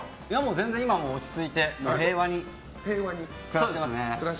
全然今は落ち着いて平和に暮らしてます。